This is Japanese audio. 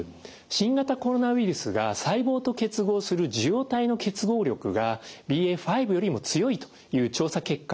新型コロナウイルスが細胞と結合する受容体の結合力がＢＡ．５よりも強いという調査結果があります。